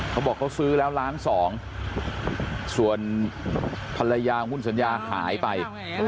เขาบอกเขาซื้อแล้วล้านสองส่วนภรรยาคุณสัญญาหายไป